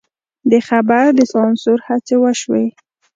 د خبر د سانسور هڅې وشوې.